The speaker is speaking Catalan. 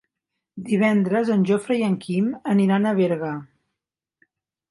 Divendres en Jofre i en Quim aniran a Berga.